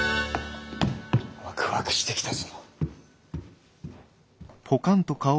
ワクワクしてきたぞ。